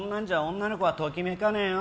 女の子はときめかねえよ。